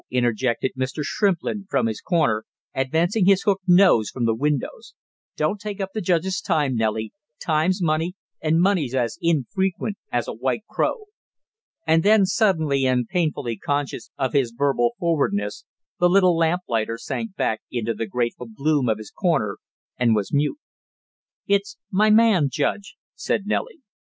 interjected Mr. Shrimplin from his corner, advancing his hooked nose from the shadows. "Don't take up the judge's time, Nellie; time's money, and money's as infrequent as a white crow." And then suddenly and painfully conscious of his verbal forwardness, the little lamplighter sank back into the grateful gloom of his corner and was mute. "It's my man, Judge " said Nellie.